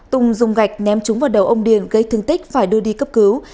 tùng dùng gạch ném chúng vào đầu ông điền gây thương tích và đưa đi cấp cứu